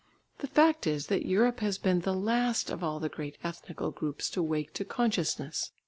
The fact is that Europe has been the last of all the great ethnical groups to wake to consciousness.